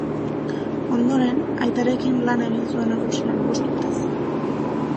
Ondoren, aitarekin lan egin zuen Errusian bost urtez.